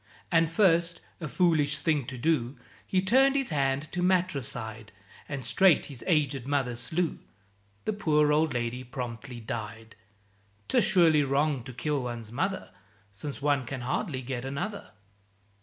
And first, (a foolish thing to do), He turned his hand to matricide, And straight his agéd mother slew, The poor old lady promptly died! ('Tis surely wrong to kill one's mother, Since one can hardly get another.)